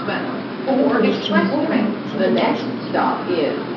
Але больш чым форумы ці нейкія чуткі.